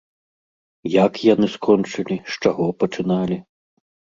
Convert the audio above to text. Як яны скончылі, з чаго пачыналі?